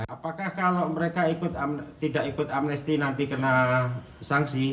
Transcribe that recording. apakah kalau mereka tidak ikut amnesti nanti kena sanksi